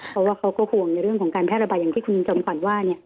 เพราะว่าเขาก็ห่วงในเรื่องของการแพร่ระบาดอย่างที่คุณจอมขวัญว่า